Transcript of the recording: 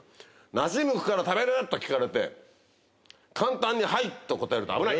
「梨むくから食べる？」と聞かれて簡単に「ハイッ」と答えるとあぶない。